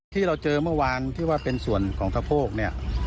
ที่เราเจอเมื่อวานที่ว่าเป็นส่วนของสะโพกเนี่ย